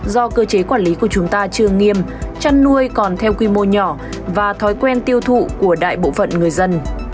do cơ chế quản lý của chúng ta chưa nghiêm chăn nuôi còn theo quy mô nhỏ và thói quen tiêu thụ của đại bộ phận người dân